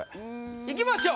いきましょう。